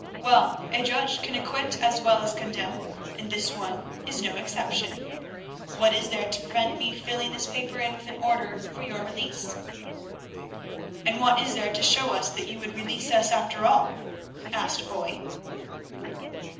Well, a judge can acquit as well as condemn, and this one—is no exception. What is there to prevent me filling this paper in with an order for your release?" "And what is there to show us that you would release us after all?" asked Foy.